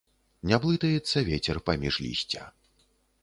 Не блытаецца вецер паміж лісця.